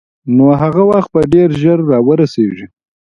نو هغه وخت به ډېر ژر را ورسېږي.